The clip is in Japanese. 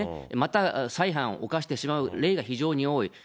また再犯を犯してしまうが非常に多い。